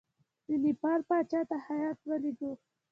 د نیپال پاچا ته هیات ولېږو.